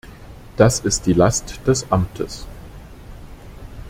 Das ist die Last des Amtes!